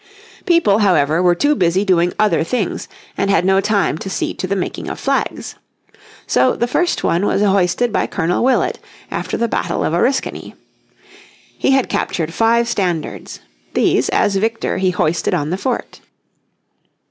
People, however, were too busy doing other things and had no time to see to the making of flags. So the first one was hoisted by Colonel Willett, after the battle of Orskany. He had captured five standards. These, as victor, he hoisted on the fort.